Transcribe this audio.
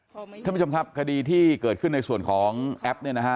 ท่านผู้ชมครับคดีที่เกิดขึ้นในส่วนของแอฟ